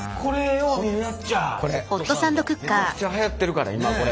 めちゃくちゃはやってるから今これ。